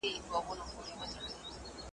نه د شین سترګي تعویذ ګر له کوډو .